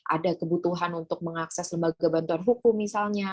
ada kebutuhan untuk mengakses lembaga bantuan hukum misalnya